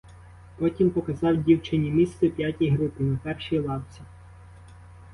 Потім показав дівчині місце в п'ятій групі на першій лавці.